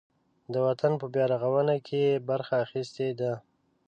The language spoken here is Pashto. د وطن په بیارغاونه کې یې برخه اخیستې ده.